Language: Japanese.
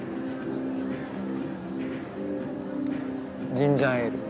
ジンジャーエール。